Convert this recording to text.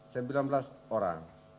sembilan belas orang